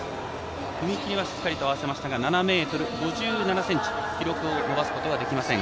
踏み切りはしっかり合わせましたが７ｍ５７ｃｍ記録を伸ばすことはできません。